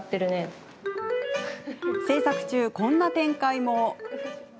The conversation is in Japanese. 制作中、こんな展開も。